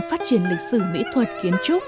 phát triển lịch sử mỹ thuật kiến trúc